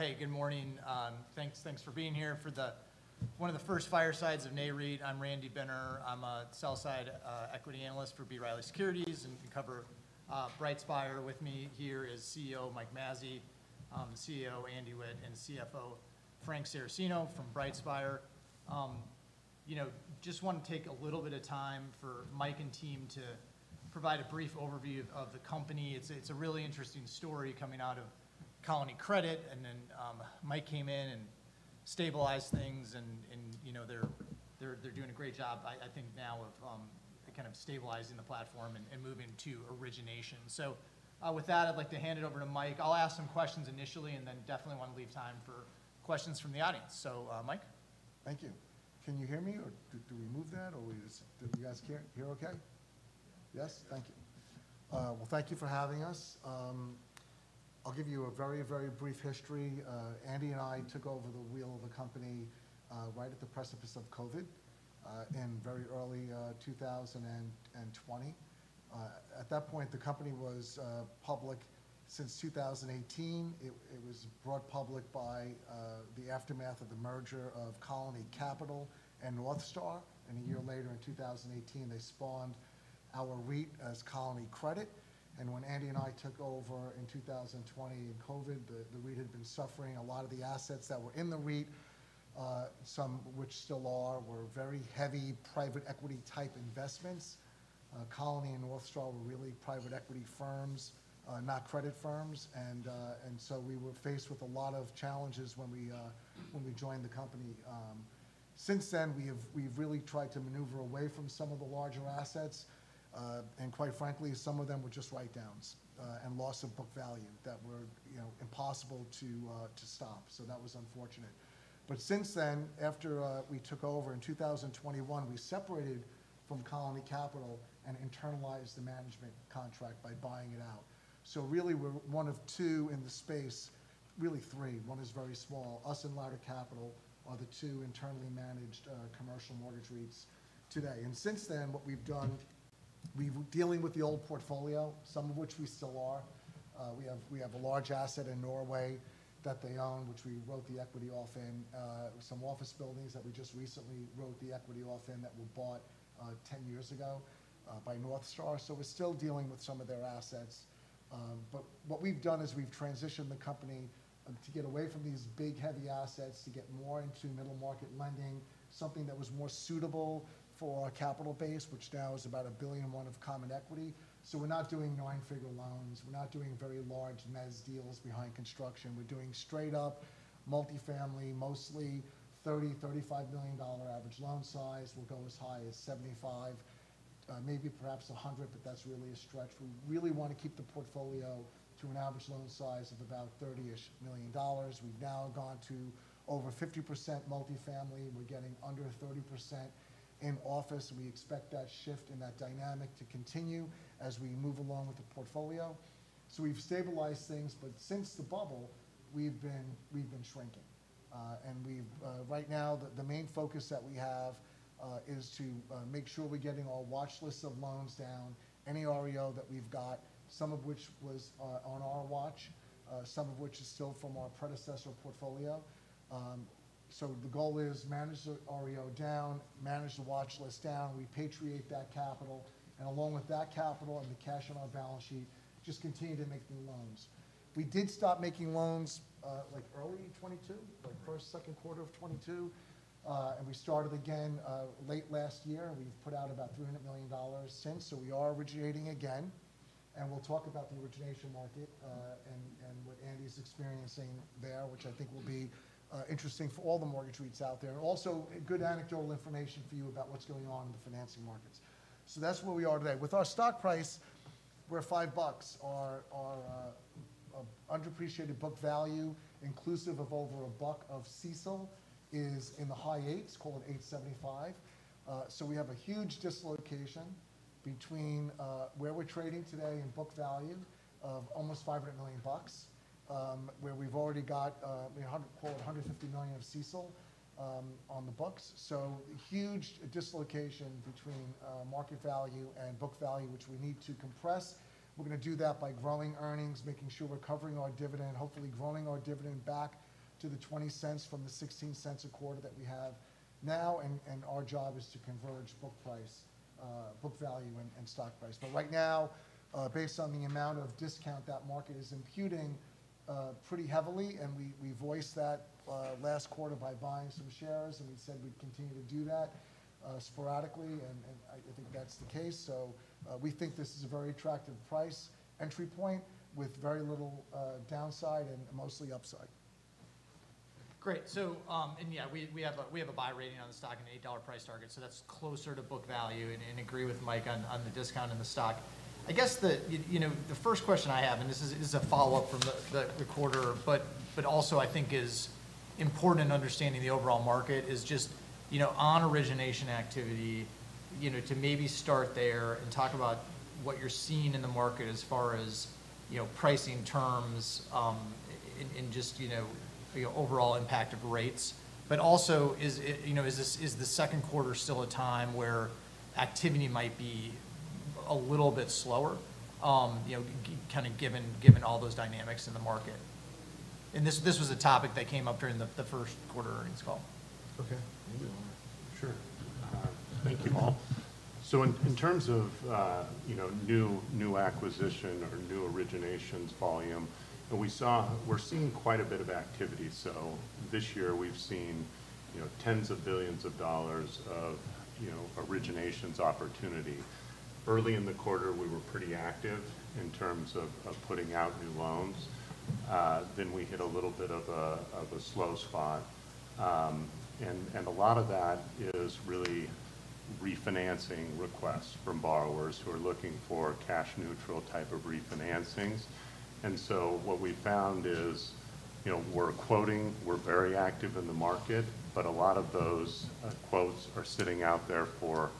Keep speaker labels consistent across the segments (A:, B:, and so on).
A: Hey, good morning. Thanks for being here for one of the first Firesides of Nayreed. I'm Randy Binne`r. I'm a sell-side equity analyst for B. Riley Securities, and we cover BrightSpire. With me here is CEO Mike Mazzei, President Andy Witt, and CFO Frank Saracino from BrightSpire. Just want to take a little bit of time for Mike and team to provide a brief overview of the company. It's a really interesting story coming out of Colony Credit, and then Mike came in and stabilized things, and they're doing a great job, I think now, of kind of stabilizing the platform and moving to origination. With that, I'd like to hand it over to Mike. I'll ask some questions initially, and then definitely want to leave time for questions from the audience. Mike.
B: Thank you. Can you hear me, or do we move that, or do you guys hear OK? Yes? Thank you. Thank you for having us. I'll give you a very, very brief history. Andy and I took over the wheel of the company right at the precipice of COVID in very early 2020. At that point, the company was public. Since 2018, it was brought public by the aftermath of the merger of Colony Capital and NorthStar. A year later, in 2018, they spawned our REIT as Colony Credit. When Andy and I took over in 2020 and COVID, the REIT had been suffering. A lot of the assets that were in the REIT, some which still are, were very heavy private equity type investments. Colony and NorthStar were really private equity firms, not credit firms. We were faced with a lot of challenges when we joined the company. Since then, we've really tried to maneuver away from some of the larger assets. Quite frankly, some of them were just write-downs and loss of book value that were impossible to stop. That was unfortunate. Since then, after we took over in 2021, we separated from Colony Capital and internalized the management contract by buying it out. We are one of two in the space, really three. One is very small. Us and Ladder Capital are the two internally managed commercial mortgage REITs today. Since then, what we've done, we're dealing with the old portfolio, some of which we still are. We have a large asset in Norway that they own, which we wrote the equity off in, some office buildings that we just recently wrote the equity off in that were bought 10 years ago by NorthStar. We are still dealing with some of their assets. What we have done is we have transitioned the company to get away from these big, heavy assets to get more into middle market lending, something that was more suitable for our capital base, which now is about $1 billion of common equity. We are not doing nine-figure loans. We are not doing very large mezz deals behind construction. We are doing straight-up multifamily, mostly $30 million, $35 million average loan size. We will go as high as $75 million, maybe perhaps $100 million, but that is really a stretch. We really want to keep the portfolio to an average loan size of about $30 million-ish. We've now gone to over 50% multifamily. We're getting under 30% in office. We expect that shift and that dynamic to continue as we move along with the portfolio. We've stabilized things. Since the bubble, we've been shrinking. Right now, the main focus that we have is to make sure we're getting our watch list of loans down, any REO that we've got, some of which was on our watch, some of which is still from our predecessor portfolio. The goal is manage the REO down, manage the watch list down, repatriate that capital, and along with that capital and the cash on our balance sheet, just continue to make the loans. We did stop making loans early in 2022, the first second quarter of 2022. We started again late last year. We've put out about $300 million since. We are originating again. We'll talk about the origination market and what Andy's experiencing there, which I think will be interesting for all the mortgage REITs out there. Also, good anecdotal information for you about what's going on in the financing markets. That's where we are today. With our stock price, we're $5. Our underappreciated book value, inclusive of over a buck of CECL, is in the high eights, called $8.75. We have a huge dislocation between where we're trading today and book value of almost $500 million, where we've already got $150 million of CECL on the books. Huge dislocation between market value and book value, which we need to compress. We're going to do that by growing earnings, making sure we're covering our dividend, hopefully growing our dividend back to the $0.20 from the $0.16 a quarter that we have now. Our job is to converge book value and stock price. Right now, based on the amount of discount that market is imputing pretty heavily, and we voiced that last quarter by buying some shares, and we said we'd continue to do that sporadically, and I think that's the case. We think this is a very attractive price entry point with very little downside and mostly upside.
A: Great. Yeah, we have a buy rating on the stock and an $8 price target. That's closer to book value. I agree with Mike on the discount in the stock. I guess the first question I have, and this is a follow-up from the quarter, but also I think is important in understanding the overall market, is just on origination activity to maybe start there and talk about what you're seeing in the market as far as pricing terms and just overall impact of rates. Also, is the second quarter still a time where activity might be a little bit slower, kind of given all those dynamics in the market? This was a topic that came up during the first quarter earnings call.
B: OK.
C: Sure. Thank you all. In terms of new acquisition or new originations volume, we're seeing quite a bit of activity. This year, we've seen tens of billions of dollars of originations opportunity. Early in the quarter, we were pretty active in terms of putting out new loans. We hit a little bit of a slow spot. A lot of that is really refinancing requests from borrowers who are looking for cash-neutral type of refinancings. What we found is we're quoting, we're very active in the market, but a lot of those quotes are sitting out there for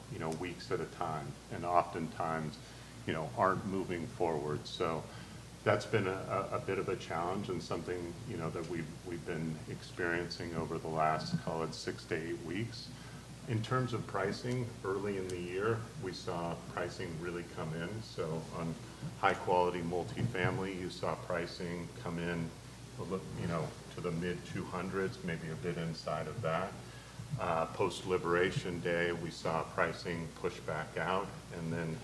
C: weeks at a time and oftentimes aren't moving forward. That's been a bit of a challenge and something that we've been experiencing over the last, call it, six to eight weeks. In terms of pricing, early in the year, we saw pricing really come in. On high-quality multifamily, you saw pricing come in to the mid-200s, maybe a bit inside of that. Post-liberation day, we saw pricing push back out and then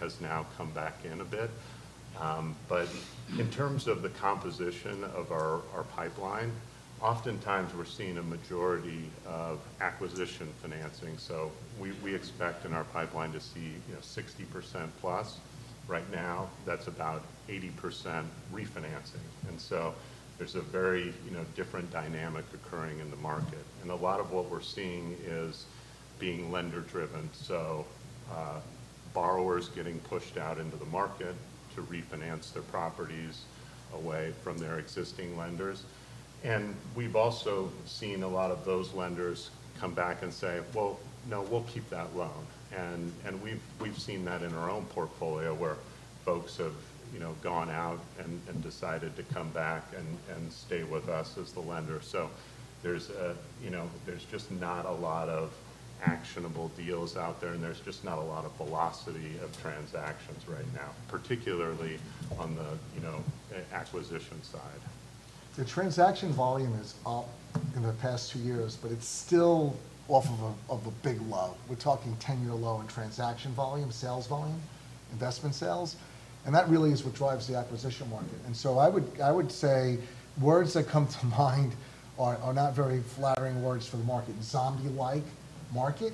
C: has now come back in a bit. In terms of the composition of our pipeline, oftentimes we're seeing a majority of acquisition financing. We expect in our pipeline to see 60%+. Right now, that's about 80% refinancing. There is a very different dynamic occurring in the market. A lot of what we're seeing is being lender-driven. Borrowers are getting pushed out into the market to refinance their properties away from their existing lenders. We've also seen a lot of those lenders come back and say, well, no, we'll keep that loan. We've seen that in our own portfolio where folks have gone out and decided to come back and stay with us as the lender. There's just not a lot of actionable deals out there, and there's just not a lot of velocity of transactions right now, particularly on the acquisition side.
D: The transaction volume is up in the past two years, but it's still off of a big low. We're talking 10-year low in transaction volume, sales volume, investment sales. That really is what drives the acquisition market. I would say words that come to mind are not very flattering words for the market, zombie-like market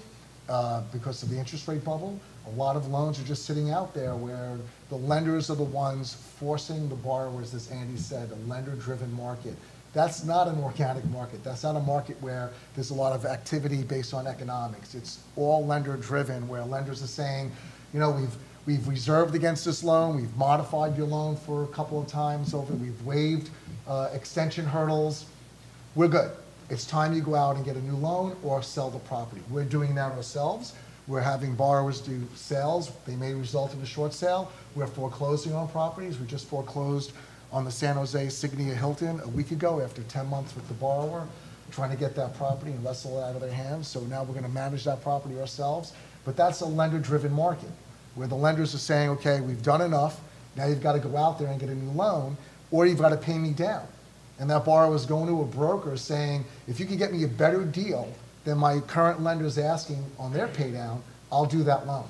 D: because of the interest rate bubble. A lot of loans are just sitting out there where the lenders are the ones forcing the borrowers, as Andy said, a lender-driven market. That's not an organic market. That's not a market where there's a lot of activity based on economics. It's all lender-driven, where lenders are saying, you know, we've reserved against this loan. We've modified your loan for a couple of times over. We've waived extension hurdles. We're good. It's time you go out and get a new loan or sell the property. We're doing that ourselves. We're having borrowers do sales. They may result in a short sale. We're foreclosing on properties. We just foreclosed on the San Jose Signia Hilton a week ago after 10 months with the borrower, trying to get that property and wrestle it out of their hands. Now we're going to manage that property ourselves. That's a lender-driven market, where the lenders are saying, OK, we've done enough. Now you've got to go out there and get a new loan, or you've got to pay me down. That borrower is going to a broker saying, if you can get me a better deal than my current lender is asking on their paydown, I'll do that loan.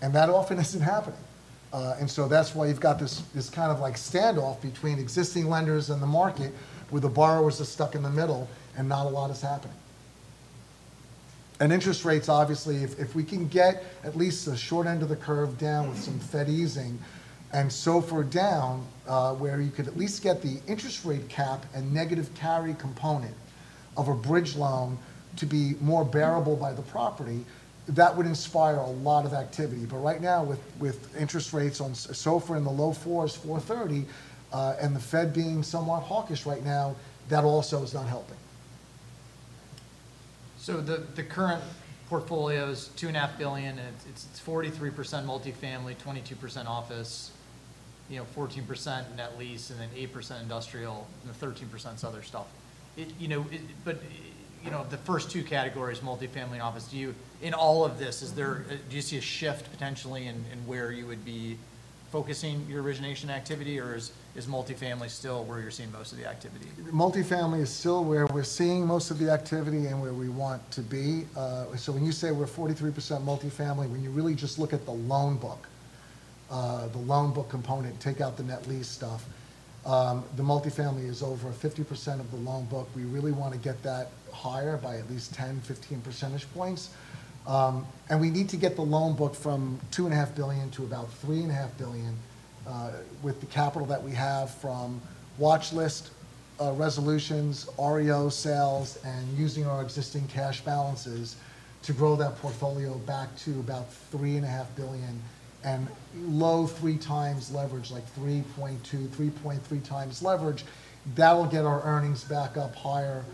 D: That often isn't happening. That is why you have this kind of like standoff between existing lenders and the market, where the borrowers are stuck in the middle and not a lot is happening. Interest rates, obviously, if we can get at least the short end of the curve down with some Fed easing and so far down where you could at least get the interest rate cap and negative carry component of a bridge loan to be more bearable by the property, that would inspire a lot of activity. Right now, with interest rates on so far in the low fours, $430, and the Fed being somewhat hawkish right now, that also is not helping.
A: The current portfolio is $2.5 billion. It's 43% multifamily, 22% office, 14% net lease, 8% industrial, and 13% other stuff. The first two categories, multifamily and office, in all of this, do you see a shift potentially in where you would be focusing your origination activity, or is multifamily still where you're seeing most of the activity?
D: Multifamily is still where we're seeing most of the activity and where we want to be. When you say we're 43% multifamily, when you really just look at the loan book, the loan book component, take out the net lease stuff, the multifamily is over 50% of the loan book. We really want to get that higher by at least 10, 15 percentage points. We need to get the loan book from $2.5 billion to about $3.5 billion with the capital that we have from watch list resolutions, REO sales, and using our existing cash balances to grow that portfolio back to about $3.5 billion and low three times leverage, like 3.2, 3.3 times leverage. That will get our earnings back up higher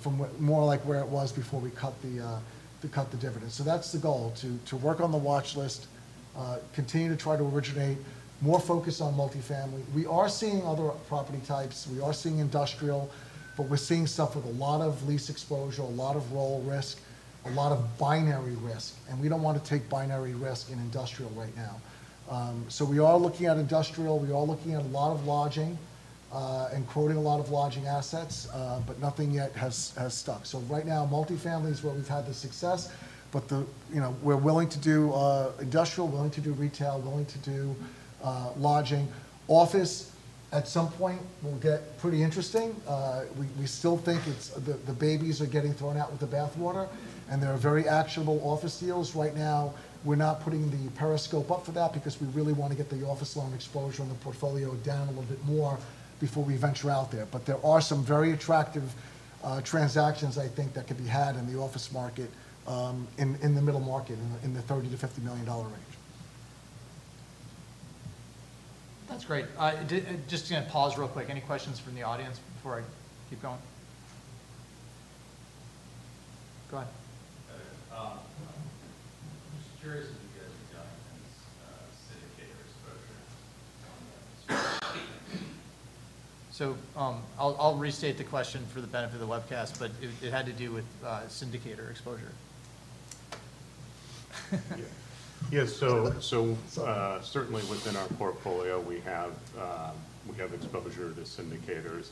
D: from more like where it was before we cut the dividend. That is the goal, to work on the watch list, continue to try to originate, more focus on multifamily. We are seeing other property types. We are seeing industrial, but we are seeing stuff with a lot of lease exposure, a lot of roll risk, a lot of binary risk. We do not want to take binary risk in industrial right now. We are looking at industrial. We are looking at a lot of lodging and quoting a lot of lodging assets, but nothing yet has stuck. Right now, multifamily is where we have had the success. We are willing to do industrial, willing to do retail, willing to do lodging. Office, at some point, will get pretty interesting. We still think the babies are getting thrown out with the bathwater, and there are very actionable office deals. Right now, we're not putting the periscope up for that because we really want to get the office loan exposure in the portfolio down a little bit more before we venture out there. There are some very attractive transactions, I think, that could be had in the office market in the middle market in the $30 million-$50 million range.
A: That's great. Just going to pause real quick. Any questions from the audience before I keep going? Go ahead.
E: I'm just curious.
A: I'll restate the question for the benefit of the webcast, but it had to do with syndicator exposure.
C: Yeah. Certainly within our portfolio, we have exposure to syndicators.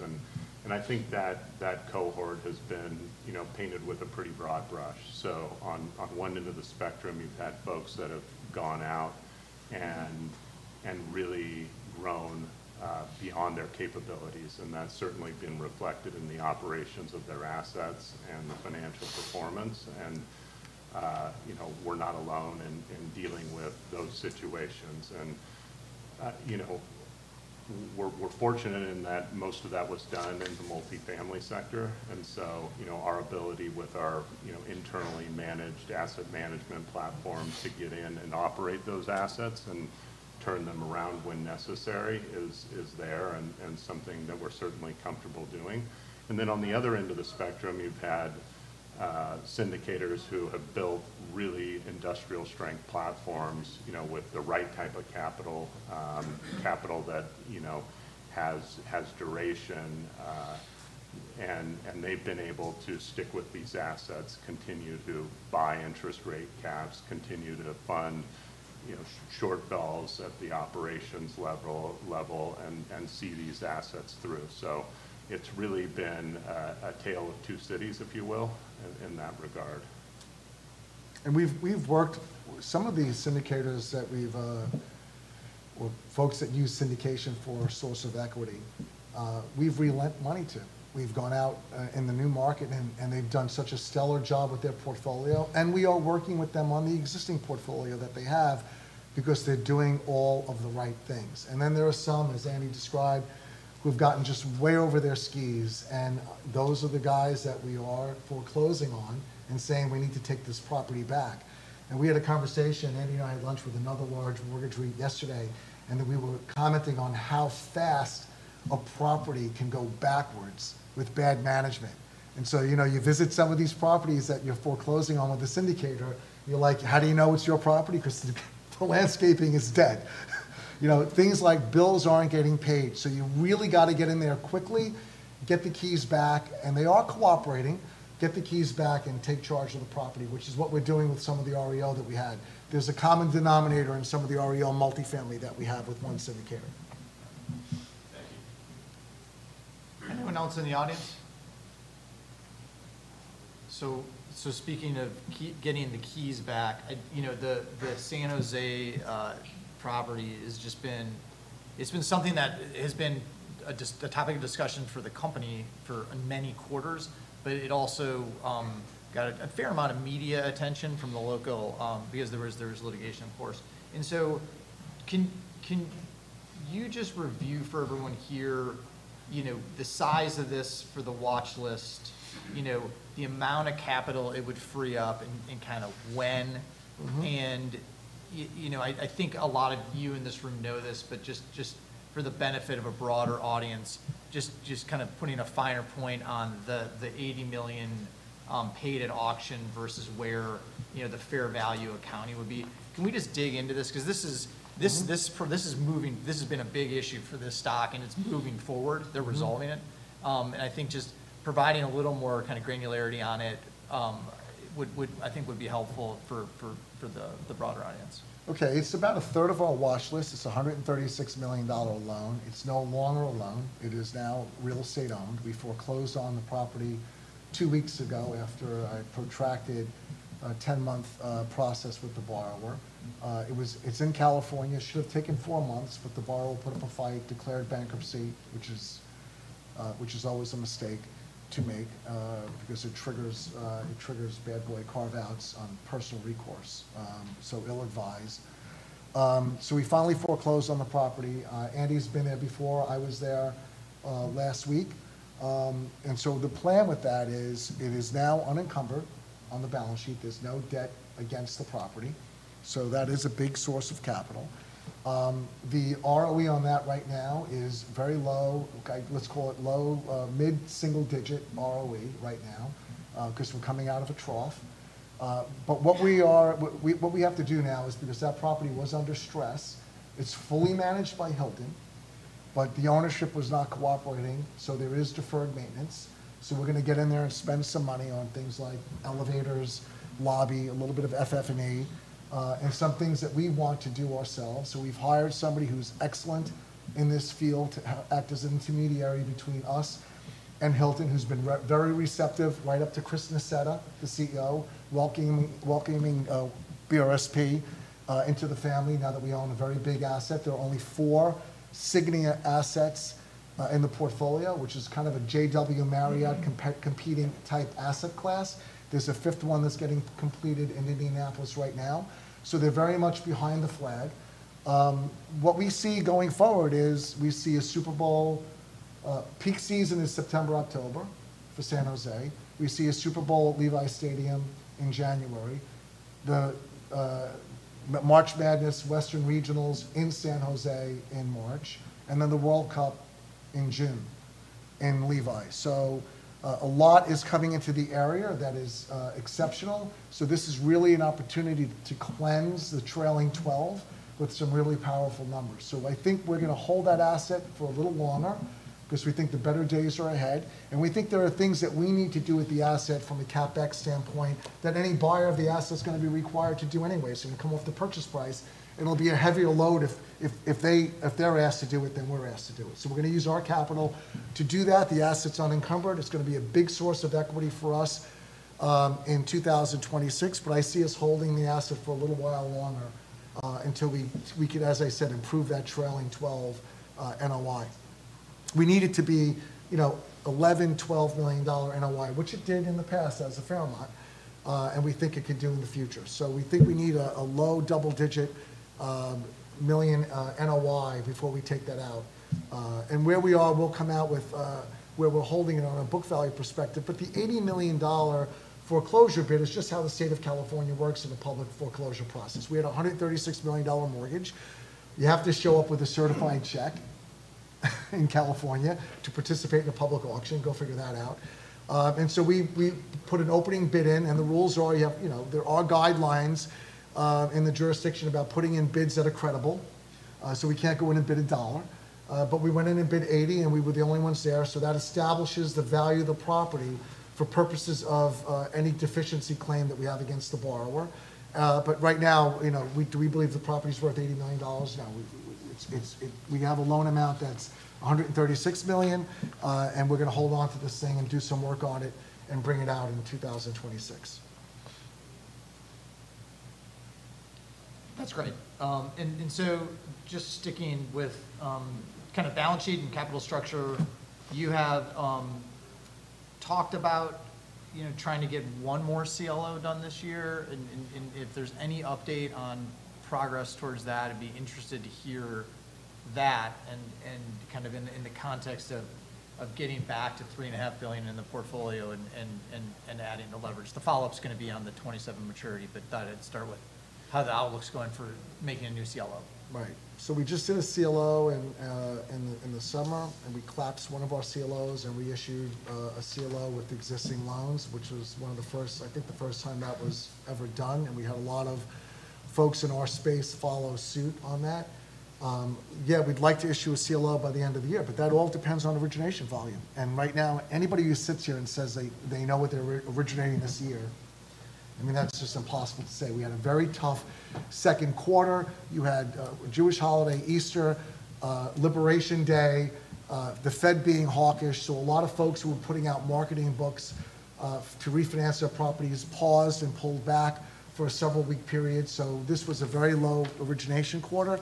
C: I think that cohort has been painted with a pretty broad brush. On one end of the spectrum, you've had folks that have gone out and really grown beyond their capabilities. That's certainly been reflected in the operations of their assets and the financial performance. We're not alone in dealing with those situations. We're fortunate in that most of that was done in the multifamily sector. Our ability with our internally managed asset management platforms to get in and operate those assets and turn them around when necessary is there and something that we're certainly comfortable doing. On the other end of the spectrum, you've had syndicators who have built really industrial strength platforms with the right type of capital, capital that has duration. They've been able to stick with these assets, continue to buy interest rate caps, continue to fund short bells at the operations level and see these assets through. It's really been a tale of two cities, if you will, in that regard.
D: We have worked with some of these syndicators, folks that use syndication for a source of equity, we have relent money to. We have gone out in the new market, and they have done such a stellar job with their portfolio. We are working with them on the existing portfolio that they have because they are doing all of the right things. There are some, as Andy described, who have gotten just way over their skis. Those are the guys that we are foreclosing on and saying we need to take this property back. We had a conversation, Andy and I had lunch with another large mortgage REIT yesterday, and we were commenting on how fast a property can go backwards with bad management. You visit some of these properties that you are foreclosing on with a syndicator, you are like, how do you know it is your property? Because the landscaping is dead. Things like bills aren't getting paid. You really got to get in there quickly, get the keys back, and they are cooperating, get the keys back and take charge of the property, which is what we're doing with some of the REO that we had. There's a common denominator in some of the REO multifamily that we have with one syndicator.
A: Thank you. Anyone else in the audience? Speaking of getting the keys back, the San Jose property has just been, it's been something that has been a topic of discussion for the company for many quarters, but it also got a fair amount of media attention from the local because there was litigation, of course. Can you just review for everyone here the size of this for the watch list, the amount of capital it would free up, and kind of when? I think a lot of you in this room know this, but just for the benefit of a broader audience, just kind of putting a finer point on the $80 million paid at auction versus where the fair value of county would be. Can we just dig into this? This has been a big issue for this stock, and it's moving forward. They're resolving it. I think just providing a little more kind of granularity on it, I think, would be helpful for the broader audience.
D: OK. It's about 1/3 of our watch list. It's a $136 million loan. It's no longer a loan. It is now real estate owned. We foreclosed on the property two weeks ago after a protracted 10-month process with the borrower. It's in California. It should have taken four months, but the borrower put up a fight, declared bankruptcy, which is always a mistake to make because it triggers bad boy carve-outs on personal recourse. So ill advised. We finally foreclosed on the property. Andy's been there before. I was there last week. The plan with that is it is now unencumbered on the balance sheet. There's no debt against the property. That is a big source of capital. The ROE on that right now is very low. Let's call it low, mid-single digit ROE right now because we're coming out of a trough. What we have to do now is because that property was under stress, it's fully managed by Hilton, but the ownership was not cooperating. There is deferred maintenance. We're going to get in there and spend some money on things like elevators, lobby, a little bit of FF&E, and some things that we want to do ourselves. We've hired somebody who's excellent in this field to act as an intermediary between us and Hilton, who's been very receptive right up to Chris Nassetta, the CEO, welcoming BRSP into the family now that we own a very big asset. There are only four Signia assets in the portfolio, which is kind of a JW Marriott competing type asset class. There's a fifth one that's getting completed in Indianapolis right now. They're very much behind the flag. What we see going forward is we see a Super Bowl peak season in September, October for San Jose. We see a Super Bowl at Levi's Stadium in January, the March Madness Western Regionals in San Jose in March, and then the World Cup in June in Levi. A lot is coming into the area that is exceptional. This is really an opportunity to cleanse the trailing 12 with some really powerful numbers. I think we're going to hold that asset for a little longer because we think the better days are ahead. We think there are things that we need to do with the asset from a CapEx standpoint that any buyer of the asset's going to be required to do anyway. You come off the purchase price, it'll be a heavier load if they're asked to do it than we're asked to do it. We're going to use our capital to do that. The asset's unencumbered. It's going to be a big source of equity for us in 2026. I see us holding the asset for a little while longer until we can, as I said, improve that trailing 12 NOI. We need it to be $11 million, $12 million NOI, which it did in the past. That was a fair amount. We think it could do that in the future. We think we need a low double-digit million NOI before we take that out. Where we are, we'll come out with where we're holding it on a book value perspective. The $80 million foreclosure bid is just how the state of California works in the public foreclosure process. We had a $136 million mortgage. You have to show up with a certified check in California to participate in a public auction. Go figure that out. We put an opening bid in. The rules are there are guidelines in the jurisdiction about putting in bids that are credible. We cannot go in and bid a dollar. We went in and bid $80 million, and we were the only ones there. That establishes the value of the property for purposes of any deficiency claim that we have against the borrower. Right now, do we believe the property's worth $80 million? No. We have a loan amount that's $136 million, and we're going to hold on to this thing and do some work on it and bring it out in 2026.
A: That's great. Just sticking with kind of balance sheet and capital structure, you have talked about trying to get one more CLO done this year. If there's any update on progress towards that, I'd be interested to hear that and kind of in the context of getting back to $3.5 billion in the portfolio and adding the leverage. The follow-up is going to be on the 2027 maturity, but thought I'd start with how the outlook's going for making a new CLO.
D: Right. So we just did a CLO in the summer, and we collapsed one of our CLOs and reissued a CLO with existing loans, which was one of the first, I think the first time that was ever done. We had a lot of folks in our space follow suit on that. Yeah, we'd like to issue a CLO by the end of the year, but that all depends on origination volume. Right now, anybody who sits here and says they know what they're originating this year, I mean, that's just impossible to say. We had a very tough second quarter. You had Jewish holiday, Easter, Liberation Day, the Fed being hawkish. A lot of folks who were putting out marketing books to refinance their properties paused and pulled back for a several-week period. This was a very low origination quarter.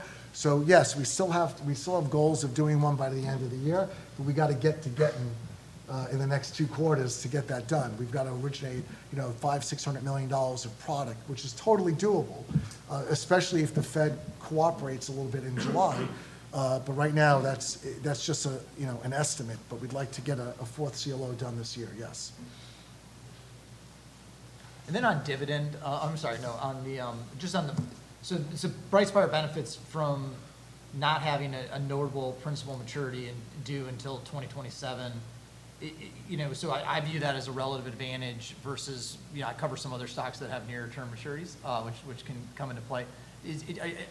D: Yes, we still have goals of doing one by the end of the year, but we got to get to getting in the next two quarters to get that done. We've got to originate $500 million, $600 million of product, which is totally doable, especially if the Fed cooperates a little bit in July. Right now, that's just an estimate. We'd like to get a fourth CLO done this year, yes.
A: On dividend, I'm sorry, no, just on the, so BrightSpire benefits from not having a notable principal maturity due until 2027. I view that as a relative advantage versus I cover some other stocks that have near-term maturities, which can come into play.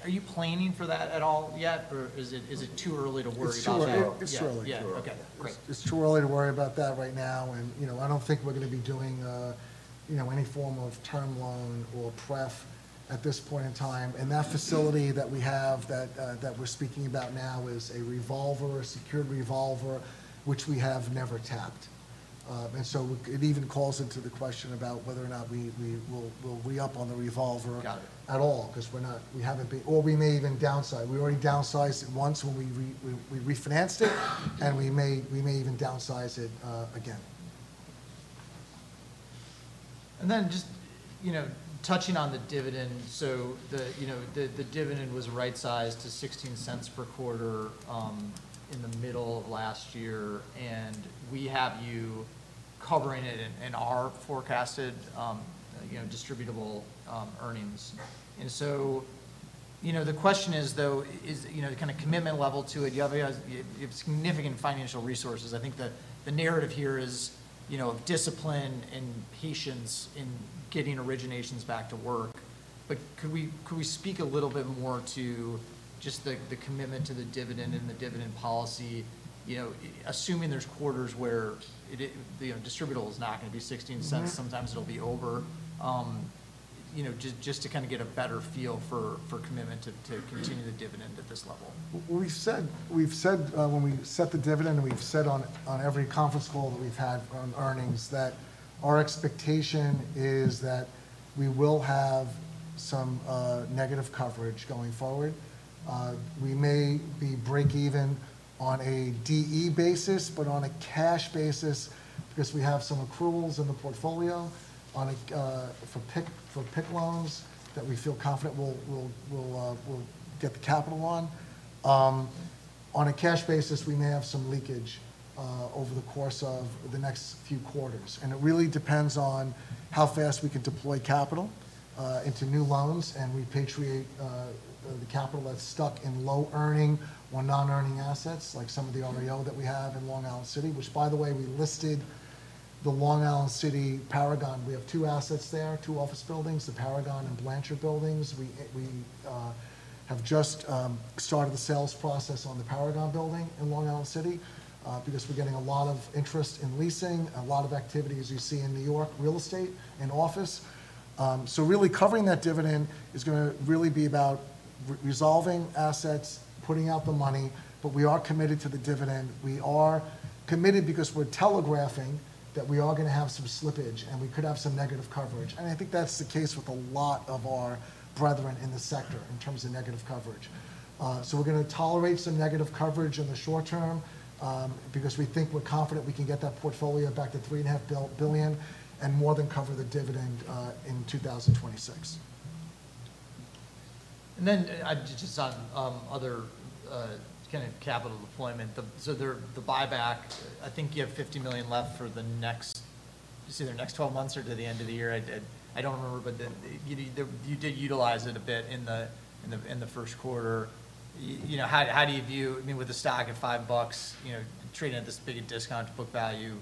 A: Are you planning for that at all yet, or is it too early to worry about it?
D: It's too early to worry about that right now. I don't think we're going to be doing any form of term loan or prep at this point in time. That facility that we have that we're speaking about now is a revolver, a secured revolver, which we have never tapped. It even calls into question about whether or not we'll re-up on the revolver at all because we haven't been, or we may even downsize. We already downsized it once when we refinanced it, and we may even downsize it again.
A: Just touching on the dividend. The dividend was right-sized to $0.16 per quarter in the middle of last year. We have you covering it in our forecasted distributable earnings. The question is, though, the kind of commitment level to it. You have significant financial resources. I think the narrative here is of discipline and patience in getting originations back to work. Could we speak a little bit more to just the commitment to the dividend and the dividend policy, assuming there are quarters where distributable is not going to be $0.16, sometimes it will be over, just to get a better feel for commitment to continue the dividend at this level?
D: We've said when we set the dividend, and we've said on every conference call that we've had on earnings that our expectation is that we will have some negative coverage going forward. We may be break-even on a DE basis, but on a cash basis, because we have some accruals in the portfolio for PIK loans that we feel confident we'll get the capital on. On a cash basis, we may have some leakage over the course of the next few quarters. It really depends on how fast we can deploy capital into new loans and repatriate the capital that's stuck in low-earning or non-earning assets, like some of the REO that we have in Long Island City, which, by the way, we listed the Long Island City Paragon. We have two assets there, two office buildings, the Paragon and Blanchard buildings. We have just started the sales process on the Paragon building in Long Island City because we're getting a lot of interest in leasing, a lot of activity, as you see in New York real estate and office. Really, covering that dividend is going to really be about resolving assets, putting out the money. We are committed to the dividend. We are committed because we're telegraphing that we are going to have some slippage and we could have some negative coverage. I think that's the case with a lot of our brethren in the sector in terms of negative coverage. We are going to tolerate some negative coverage in the short term because we think we're confident we can get that portfolio back to $3.5 billion and more than cover the dividend in 2026.
A: Just on other kind of capital deployment. The buyback, I think you have $50 million left for the next, you say, the next 12 months or to the end of the year. I do not remember, but you did utilize it a bit in the first quarter. How do you view, I mean, with a stock at $5 trading at this big discount to book value,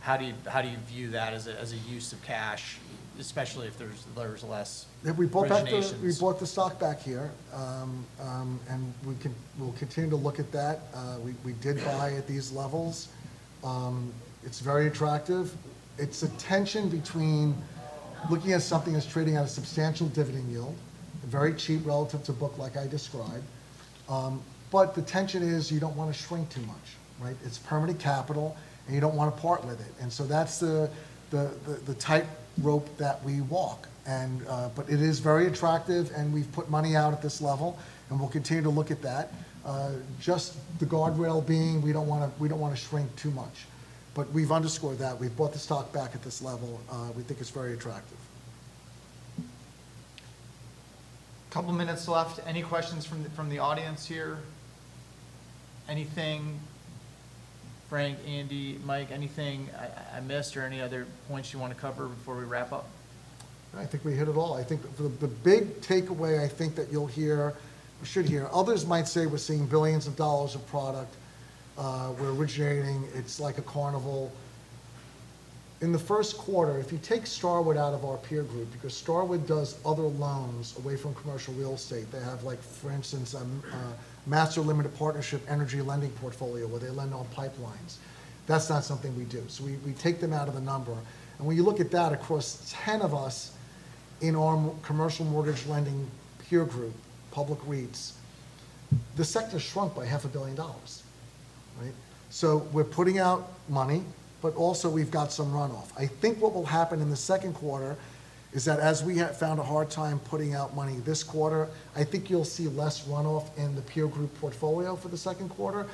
A: how do you view that as a use of cash, especially if there is less?
D: We bought the stock back here, and we'll continue to look at that. We did buy at these levels. It's very attractive. It's a tension between looking at something that's trading at a substantial dividend yield, very cheap relative to book like I described. The tension is you don't want to shrink too much, right? It's permanent capital, and you don't want to part with it. That's the tightrope that we walk. It is very attractive, and we've put money out at this level, and we'll continue to look at that. The guardrail being, we don't want to shrink too much. We've underscored that. We've bought the stock back at this level. We think it's very attractive.
A: A couple of minutes left. Any questions from the audience here? Anything, Frank, Andy, Mike, anything I missed or any other points you want to cover before we wrap up?
D: I think we hit it all. I think the big takeaway I think that you'll hear, or should hear, others might say we're seeing billions of dollars of product. We're originating. It's like a carnival. In the first quarter, if you take Starwood out of our peer group, because Starwood does other loans away from commercial real estate, they have, for instance, a Master Limited Partnership Energy Lending portfolio where they lend on pipelines. That's not something we do. We take them out of the number. When you look at that, across 10 of us in our commercial mortgage lending peer group, public REITs, the sector shrunk by $500 million. We're putting out money, but also we've got some runoff. I think what will happen in the second quarter is that as we have found a hard time putting out money this quarter, I think you'll see less runoff in the peer group portfolio for the second quarter.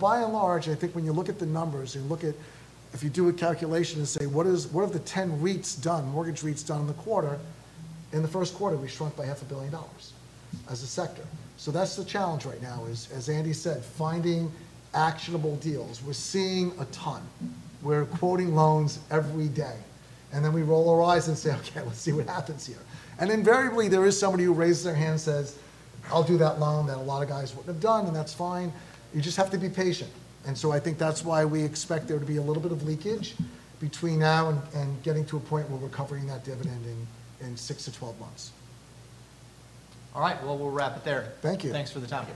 D: By and large, I think when you look at the numbers and look at if you do a calculation and say, what have the 10 REITs done, mortgage REITs done in the quarter, in the first quarter, we shrunk by $500 million as a sector. That's the challenge right now, is, as Andy said, finding actionable deals. We're seeing a ton. We're quoting loans every day. We roll our eyes and say, okay, let's see what happens here. Invariably, there is somebody who raises their hand and says, I'll do that loan that a lot of guys wouldn't have done, and that's fine. You just have to be patient. I think that's why we expect there to be a little bit of leakage between now and getting to a point where we're covering that dividend in 6 to 12 months.
A: All right. We'll wrap it there.
D: Thank you.
A: Thanks for the time.